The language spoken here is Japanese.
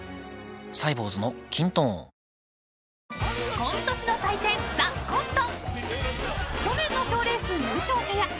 ［コント師の祭典『ＴＨＥＣＯＮＴＥ』］